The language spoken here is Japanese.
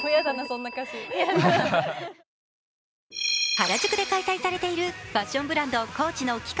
原宿で開催されているファッションブランドＣＯＡＣＨの期間